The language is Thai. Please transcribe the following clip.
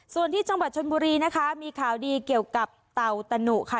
ส่วนที่จังหวัดชนบุรีนะคะมีข่าวดีเกี่ยวกับเต่าตะหนุค่ะ